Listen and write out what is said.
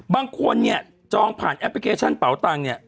บางคนเนี่ยจองผ่านแอปพลิเคชันเป๋าตังค์เนี่ย